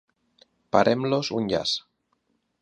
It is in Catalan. Parem-los un llaç.